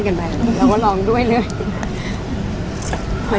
ภาษาสนิทยาลัยสุดท้าย